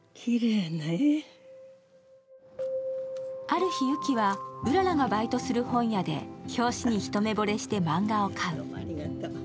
ある日、雪は、うららがバイトする本屋で表紙に一目ぼれして漫画を買う。